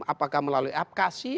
apakah melalui apkasi